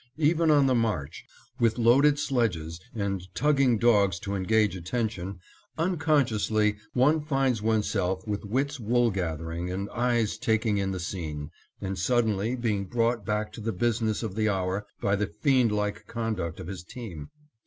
Even on the march, with loaded sledges and tugging dogs to engage attention, unconsciously one finds oneself with wits wool gathering and eyes taking in the scene, and suddenly being brought back to the business of the hour by the fiend like conduct of his team.